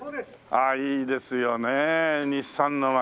ああいいですよね日産のマリーン。